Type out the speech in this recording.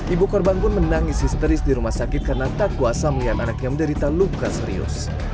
ibu korban pun menangis histeris di rumah sakit karena tak kuasa melihat anaknya menderita luka serius